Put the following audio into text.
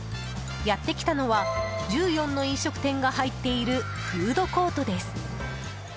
やって来たのは１４の飲食店が入っているフードコートです。